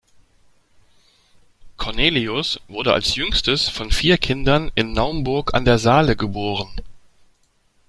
Cornelius wurde als jüngstes von vier Kindern in Naumburg an der Saale geboren.